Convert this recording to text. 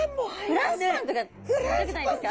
フランスパンとか食べたくないですか？